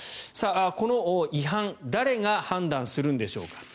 この違反誰が判断するんでしょうか。